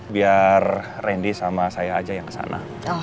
biar randy sama saya aja yang ke sana